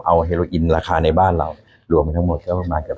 เอาเหลืออินด้วยราคาในบ้านเรารวมมาทั้งหมดก็เรียกว่า๓๐๐ล้านบาท